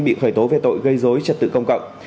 bị khởi tố về tội gây dối trật tự công cộng